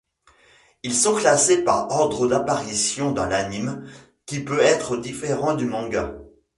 Ils sont classés par ordre d'apparition dans l'anime, qui peut être différent du manga.